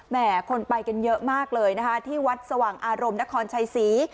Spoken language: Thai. คนไปกันเยอะมากเลยนะคะที่วัดสว่างอารมณ์นครชัยศรี